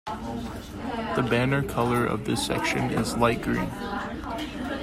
The banner colour of this section is light green.